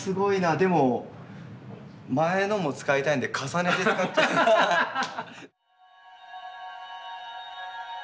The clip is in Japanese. でも前のも使いたいんで重ねて使ってハハハ。